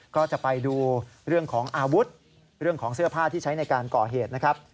ก็จะไปดูเรื่องของอาวุธเรื่องของเสื้อผ้าที่ใช้ในการก่อเหตุนะครับ